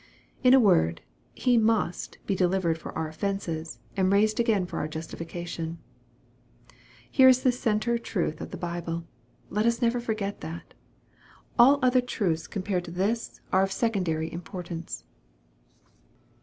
In a word, He " must" be delivered for our offences, and raised again for our justification. Here is the centre truth of the Bible. Let us never forget that. All other truths compared to this are :> MARK, CHAP. VIII. 167 secondary importance.